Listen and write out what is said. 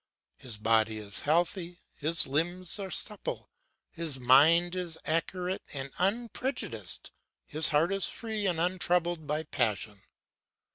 His body is healthy, his limbs are supple, his mind is accurate and unprejudiced, his heart is free and untroubled by passion.